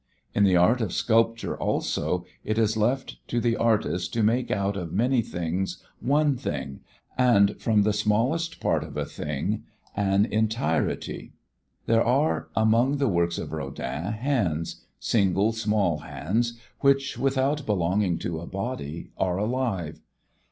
In the art of sculpture, also, it is left to the artist to make out of many things one thing, and from the smallest part of a thing an entirety. There are among the works of Rodin hands, single, small hands which, without belonging to a body, are alive.